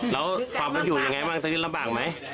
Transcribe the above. แล้วความประจุยังไงบ้างจะยึดละบังไหม